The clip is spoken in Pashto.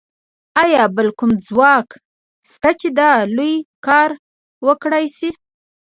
ایا بل کوم ځواک شته چې دا لوی کار وکړای شي